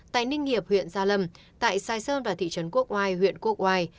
tại ninh hiệp huyện gia lâm tại sai sơn và thị trấn quốc oai huyện quốc oai